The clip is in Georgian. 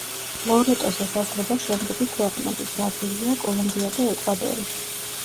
ლორეტოს ესაზღვრება შემდეგი ქვეყნები: ბრაზილია, კოლუმბია და ეკვადორი.